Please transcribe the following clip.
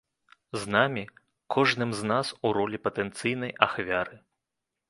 З намі, кожным з нас, у ролі патэнцыйнай ахвяры.